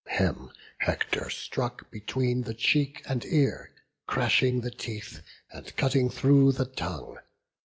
Him Hector struck between the cheek and ear, Crashing the teeth, and cutting through the tongue.